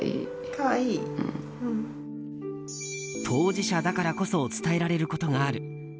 当事者だからこそ伝えられることがある。